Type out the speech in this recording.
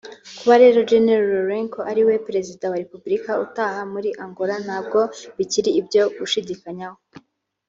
Kuba rero General Lourenco ariwe Perezida wa Repubulika utaha muri Angola ntabwo bikiri ibyo gushidikanyaho